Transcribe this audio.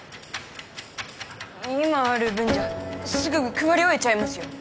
今ある分じゃすぐ配り終えちゃいますよ。